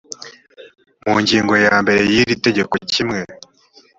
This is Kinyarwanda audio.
mu ngingo ya mbere y iri tegeko kimwe